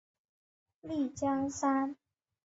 丽江杉